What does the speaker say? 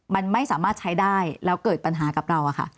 มันไม่สามารถใช้ได้แล้วเกิดปัญหากับเรา